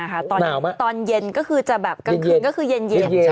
กลางคืนก็คือเย็น